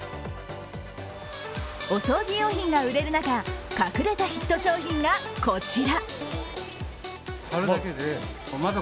お掃除用品が売れる中隠れたヒット商品がこちら。